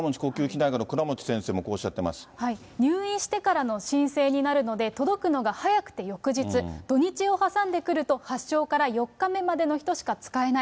内科の倉持先生もこうおっしゃって入院してからの申請になるので、届くのが早くて翌日、土日を挟んでくると発症から４日目の人しか使えない。